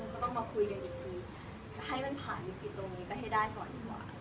ก็ต้องมาคุยกันอีกทีให้มันผ่านวิกฤตตรงนี้ไปให้ได้ก่อนดีกว่า